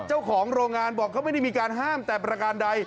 เจ้าของโรงงานบอกเขาไม่ได้มีการห้ามแต่ประการใด